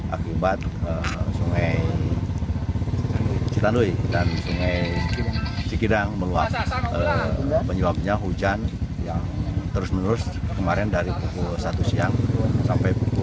akibat sungai cikidang meluap penyebabnya hujan yang terus menerus kemarin dari satu siang sampai